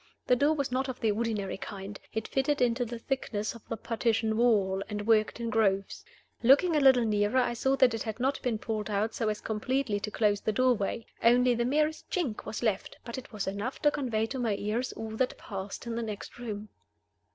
The door was not of the ordinary kind. It fitted into the thickness of the partition wall, and worked in grooves. Looking a little nearer, I saw that it had not been pulled out so as completely to close the doorway. Only the merest chink was left; but it was enough to convey to my ears all that passed in the next room.